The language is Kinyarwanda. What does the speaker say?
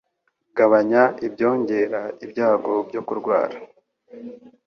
Gabanya ibyongera ibyago byo kurwara